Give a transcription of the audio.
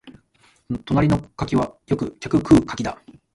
隣の柿はよく客食う柿だ